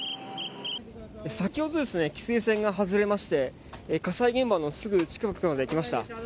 先ほど、規制線が外れまして火災現場のすぐ近くまで来ました。